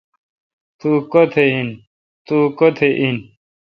تو کتہ این؟